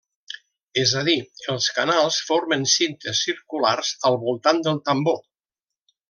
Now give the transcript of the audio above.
És a dir, els canals formen cintes circulars al voltant del tambor.